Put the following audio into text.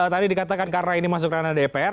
tadi dikatakan karena ini masuk ranah dpr